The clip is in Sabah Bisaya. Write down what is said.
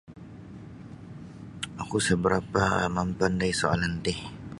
Oku sa barapa mampandai soalan ti.